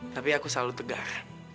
tapi aku selalu tegar